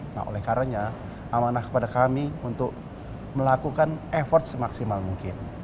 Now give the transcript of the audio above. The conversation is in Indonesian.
nah oleh karanya amanah kepada kami untuk melakukan effort semaksimal mungkin